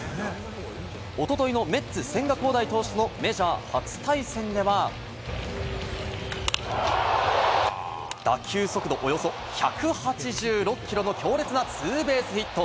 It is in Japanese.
おとといのメッツ・千賀滉大投手とのメジャー初対戦では、打球速度およそ１８６キロの強烈なツーベースヒット。